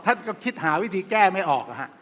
ท่านก็คิดหาวิธีแก้ไม่ออก